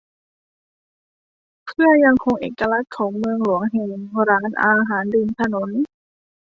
เพื่อยังคงเอกลักษณ์ของเมืองหลวงแห่งร้านอาหารริมถนน